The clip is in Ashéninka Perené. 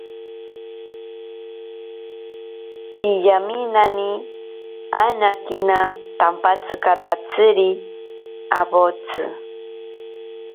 Piyaminani anakina tampatsikatatsiri awotsi.